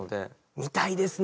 見たいですね！